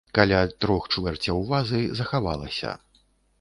Каля трох чвэрцяў вазы захавалася.